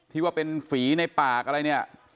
ที่ว่าเป็นฝีในปากอะไรเนี่ย